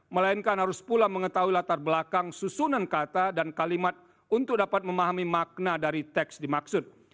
melainkan harus pula mengetahui latar belakang susunan kata dan kalimat untuk dapat memahami makna dari teks dimaksud